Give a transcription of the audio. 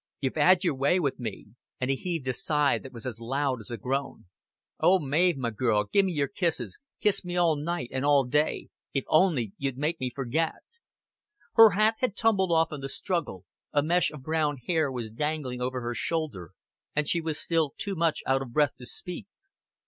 "You've 'ad yer way wi' me;" and he heaved a sigh that was as loud as a groan. "Oh, Mav, my girl, gi' me yer kisses kiss me all night and all day if on'y you make me forget." Her hat had tumbled off in the struggle, a mesh of brown hair was dangling over her shoulder, and she was still too much out of breath to speak.